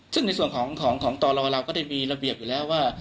ซึ่งในส่วนของตรเราก็ได้มีระเบียบอยู่แล้วว่า